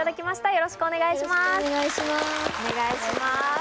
よろしくお願いします。